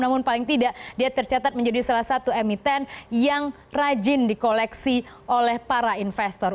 namun paling tidak dia tercatat menjadi salah satu emiten yang rajin di koleksi oleh para investor